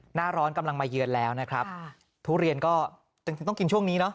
หน้าร้อนกำลังมาเยือนแล้วนะครับทุเรียนก็จริงต้องกินช่วงนี้เนาะ